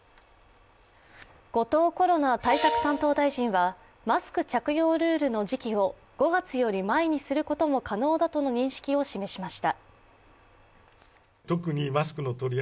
後藤コロナ対策担当大臣はマスク着用ルールの時期を５月より前にすることも可能だとの認識を示しました。